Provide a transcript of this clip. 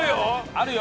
あるよ